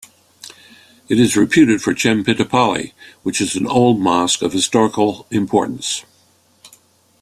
It is reputed for Chempittapally which is an old Mosque of historical importance.